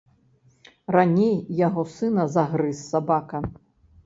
Раней яго сына загрыз сабака.